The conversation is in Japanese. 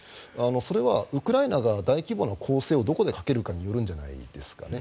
それはウクライナが大規模な攻勢をどこでかけるかによるんじゃないですかね。